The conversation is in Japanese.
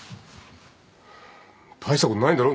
大したことないんだろ？